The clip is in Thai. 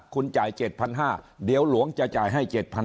คุณจ่าย๗๕๐๐บาทเดี๋ยวหลวงจะจ่ายให้๗๐๐